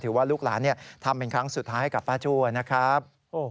ว่าลูกหลานทำเป็นครั้งสุดท้ายให้กับป้าจัวนะครับ